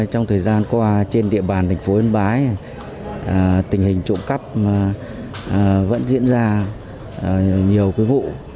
trong thời gian qua trên địa bàn thành phố yên bái tình hình trộm cắp vẫn diễn ra nhiều vụ